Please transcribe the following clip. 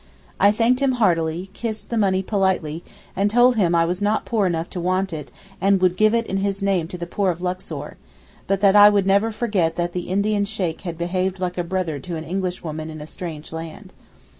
I thanked him heartily, kissed the money politely, and told him I was not poor enough to want it and would give it in his name to the poor of Luxor, but that I would never forget that the Indian Sheykh had behaved like a brother to an English woman in a strange land.